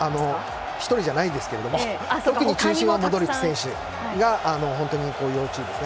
１人じゃないですけども特に中心はモドリッチ選手が本当に要注意ですね。